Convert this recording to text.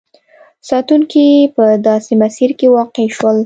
ساتونکي په داسې مسیر کې واقع شول.